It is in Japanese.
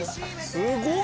すごい。